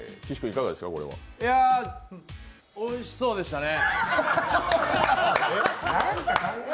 いやおいしそうでしたね。